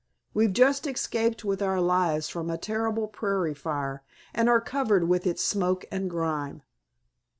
We've just escaped with our lives from a terrible prairie fire, and are covered with its smoke and grime."